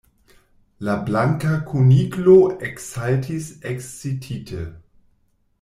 La Blanka Kuniklo eksaltis ekscitite.